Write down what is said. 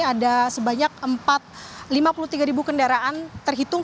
ada sebanyak lima puluh tiga ribu kendaraan terhitung